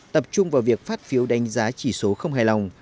tập trung vào việc phát phiếu đánh giá chỉ số không hài lòng